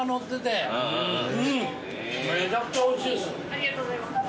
ありがとうございます。